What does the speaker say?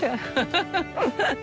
ハハハハ。